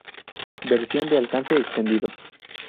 Versión de alcance extendido.